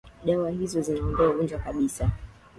dawa hizo zinaondoa ugonjwa kabisa